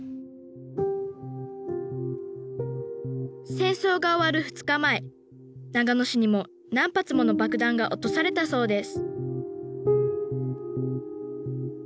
戦争が終わる２日前長野市にも何発もの爆弾が落とされたそうです